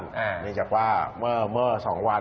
เนื่องจากว่าเมื่อ๒วัน